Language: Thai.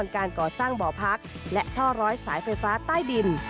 การปล่อยสายไฟฟ้าใต้ดิน